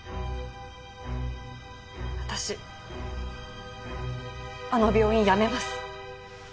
私あの病院辞めます。